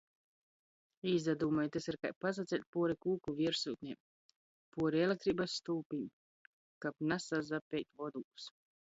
Īsadūmoj, tys ir kai pasaceļt puori kūku viersyunem, puori elektreibys stulpim, kab nasasapeit vodūs.